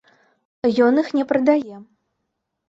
Ён іх не прадае.